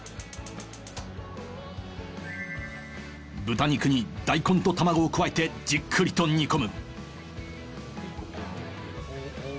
豚肉に大根と卵を加えてじっくりと煮込むあっ！